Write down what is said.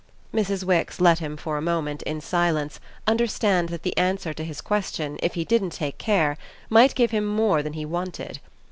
Mrs. Wix let him for a moment, in silence, understand that the answer to his question, if he didn't take care, might give him more than he wanted.